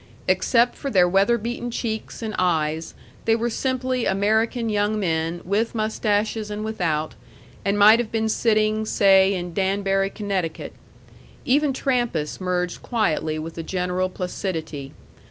Except for their weather beaten cheeks and eyes, they were simply American young men with mustaches and without, and might have been sitting, say, in Danbury, Connecticut. Even Trampas merged quietly with the general placidity.